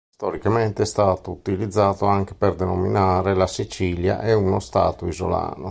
Storicamente è stato utilizzato anche per denominare la Sicilia e uno stato isolano.